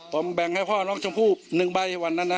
ผมแบ่งให้พ่อน้องชมพู่๑ใบวันนั้นนะ